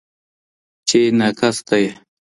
چي ناکس ته یې